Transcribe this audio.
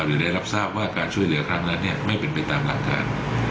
หรือได้รับทราบว่าการช่วยเหลือครั้งนั้นไม่เป็นไปตามหลักฐาน